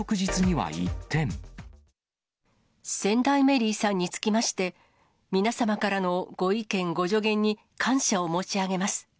仙台メリーさんにつきまして、皆様からのご意見、ご助言に感謝を申し上げます。